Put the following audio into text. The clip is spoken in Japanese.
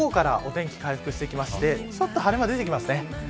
午後からお天気回復してきましてちょっと晴れ間が出てきます。